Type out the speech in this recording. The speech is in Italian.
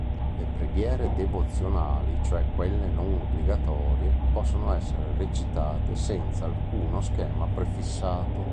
Le preghiere devozionali, cioè quelle non obbligatorie, possono essere recitate senza alcuno schema prefissato.